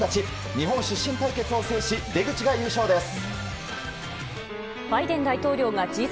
日本出身対決を制し出口が優勝です。